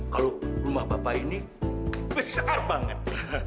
kalau rumah bapak ini besar banget